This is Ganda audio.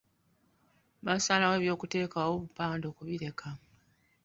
Baasalawo eby’okuteekawo obupande okubireka.